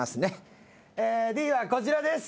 Ｄはこちらです。